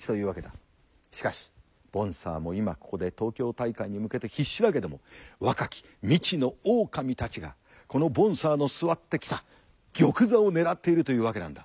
しかしボンサーも今ここで東京大会に向けて必死だけども若き未知の狼たちがこのボンサーの座ってきた玉座を狙っているというわけなんだ。